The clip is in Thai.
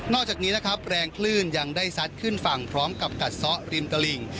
อกจากนี้นะครับแรงคลื่นยังได้ซัดขึ้นฝั่งพร้อมกับกัดซ้อริมตลิ่ง